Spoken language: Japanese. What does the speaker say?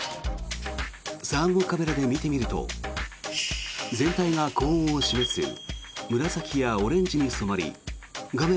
サーモカメラで見てみると全体が高温を示す紫やオレンジに染まり画面